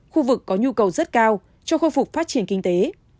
khu vực có nhu cầu rất cao cho khôi phục phát triển kinh tế